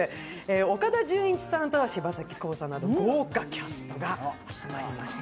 岡田准一さん、柴咲コウさんなど豪華キャストが集まりました。